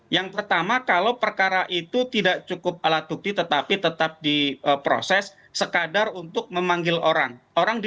yang pertama kalau perkara itu tidak cukup alat bukti tetapi membuat kita merasa tidak bisa mengatakan bahwa itu adalah hal yang sangat sulit